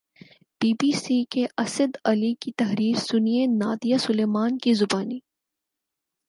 be B C کے اسد علی کی تحریر سنیے نادیہ سلیمان کی زبانی